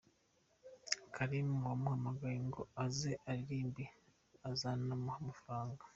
Karim wamuhamagaye ngo aze aririmbe azanamuha amafaranga.